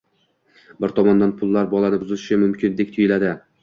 Bir tomondan, pullar bolani buzishi mumkindek tuyuladi.